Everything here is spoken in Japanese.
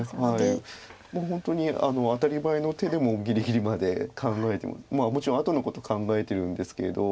もう本当に当たり前の手でもぎりぎりまで考えてもちろん後のことを考えてるんですけど。